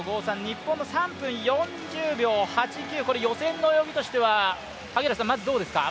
日本の３分４０秒８９、これ予選の泳ぎとしてはまずどうですか。